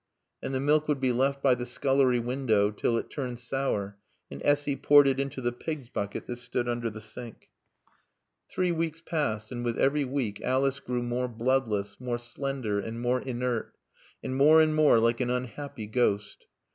And the milk would be left by the scullery window till it turned sour and Essy poured it into the pig's bucket that stood under the sink. Three weeks passed, and with every week Alice grew more bloodless, more slender, and more inert, and more and more like an unhappy ghost.